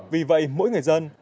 vì vậy mỗi người dân